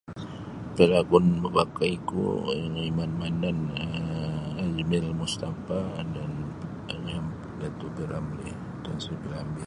Palakun mapakaiku um Eman Manan um Azmil Mustapa dan um Datuk P Ramlee Tan Sri P Ramlee.